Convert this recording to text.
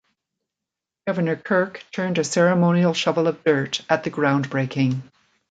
Governor Kirk turned a ceremonial shovel of dirt at the groundbreaking.